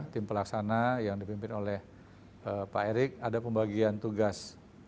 tim pelaksana yang dipimpin oleh pak erik ada pembagian tugas